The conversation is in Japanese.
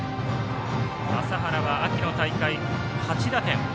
麻原は秋の大会８打点。